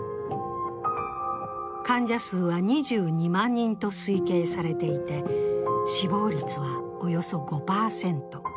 患者数は２２万人と推計されていて、死亡率はおよそ５％。